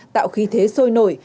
tạo khí thế sôi nổi